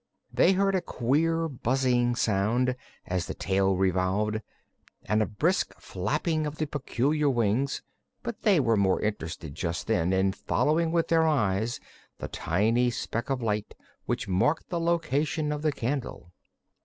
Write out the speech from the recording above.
They heard a queer buzzing sound, as the tail revolved, and a brisk flapping of the peculiar wings, but they were more interested just then in following with their eyes the tiny speck of light which marked the location of the candle.